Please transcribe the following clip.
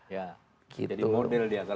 ya jadi model ya